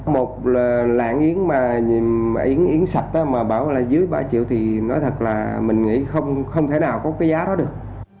một là lạng yến mà yến sạch đó mà bảo là dưới ba triệu thì nói thật là mình nghĩ không thể nào có cái giá đó được